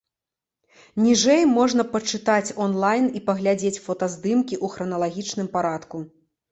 Ніжэй можна пачытаць онлайн і паглядзець фотаздымкі ў храналагічным парадку.